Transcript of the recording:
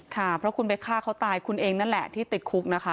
ค่ะเพราะคุณไปฆ่าเขาตายคุณเองนั่นแหละที่ติดคุกนะคะ